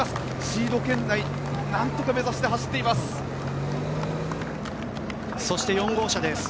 シード圏内なんとか目指して走っています。